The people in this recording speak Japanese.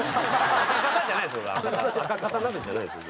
赤かたじゃないですよ